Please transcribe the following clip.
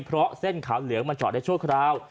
เพราะเส้นขาวเหลืองมันจอดได้ชั่วคราว